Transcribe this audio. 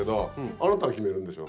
あなたが決めるんでしょ。